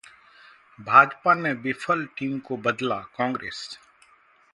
भाजपा ने विफल टीम को बदला: कांग्रेस